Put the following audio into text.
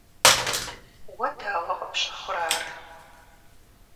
Уэ дауэ къыпщыхъурэ ар?